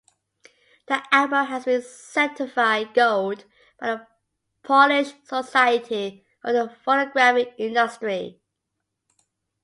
The album has been certified "gold" by the Polish Society of the Phonographic Industry.